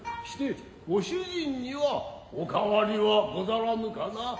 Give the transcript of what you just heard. シテご主人にはおかわりはござらぬかな。